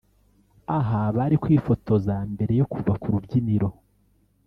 aha bari kwifotoza mbere yo kuva ku rubyiniro